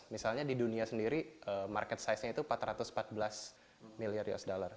misalnya di dunia sendiri market size nya itu empat ratus empat belas miliar usd